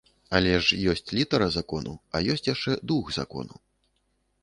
Але ж ёсць літара закону, а ёсць яшчэ дух закону.